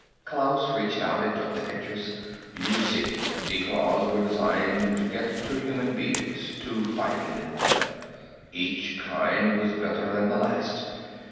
Klaus reached out and took the pictures. "You see, the claws were designed to get to human beings. To find them. Each kind was better than the last.